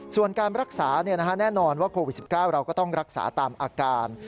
ส่วนการรักษาแน่นอนว่าโควิด๑๙เราก็ต้องรักษาตามอาการ